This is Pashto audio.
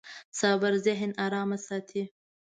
صبر ذهن ارام ساتي.